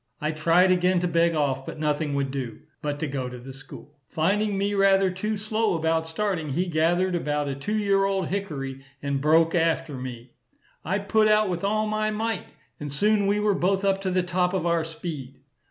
I tried again to beg off; but nothing would do, but to go to the school. Finding me rather too slow about starting, he gathered about a two year old hickory, and broke after me. I put out with all my might, and soon we were both up to the top of our speed.